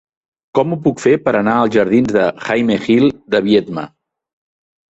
Com ho puc fer per anar als jardins de Jaime Gil de Biedma?